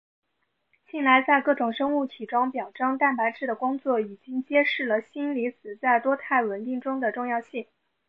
近来在各种生物体中表征蛋白质的工作已经揭示了锌离子在多肽稳定中的重要性。